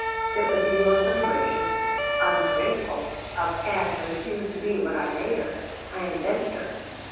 It would be most ungracious ungrateful of Ann to refuse to be what I made her. I invented her.